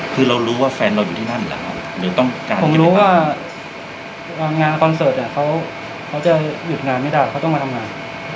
ผมรู้ว่ามหาเพลงของคอลเซอร์ตเพลงเขาจะหยุดงานไม่ได้ควรมาทำงาน